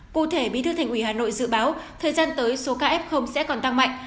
cụ thể bí thư thành ủy hà nội dự báo thời gian tới số ca f sẽ còn tăng mạnh